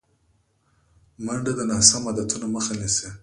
منډه د ناسم عادتونو مخه نیسي